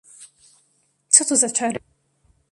Co to za czary?